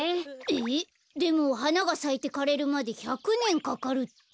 えっでもはながさいてかれるまで１００ねんかかるって。